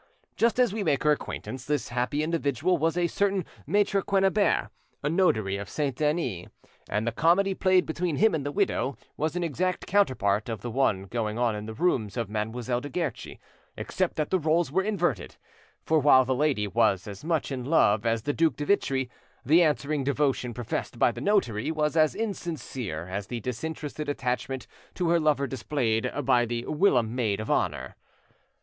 Just as we make her acquaintance this happy individual was a certain Maitre Quennebert, a notary of Saint Denis, and the comedy played between him and the widow was an exact counterpart of the one going on in the rooms of Mademoiselle de Guerchi, except that the roles were inverted; for while the lady was as much in love as the Duc de Vitry, the answering devotion professed by the notary was as insincere as the disinterested attachment to her lover displayed by the whilom maid of honour.